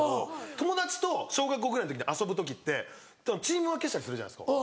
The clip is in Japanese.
友達と小学校の時遊ぶ時ってチーム分けするじゃないですか。